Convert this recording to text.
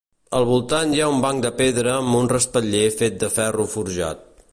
Al voltant hi ha un banc de pedra amb un respatller fet de ferro forjat.